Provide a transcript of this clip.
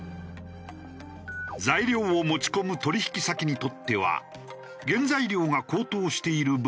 材料を持ち込む取引先にとっては原材料が高騰している分